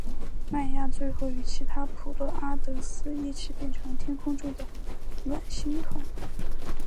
迈亚最后与其他普勒阿得斯一起变成了天空中的昴星团。